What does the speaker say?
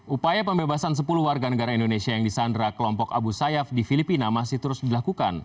upaya pembebasan sepuluh warga negara indonesia yang disandra kelompok abu sayyaf di filipina masih terus dilakukan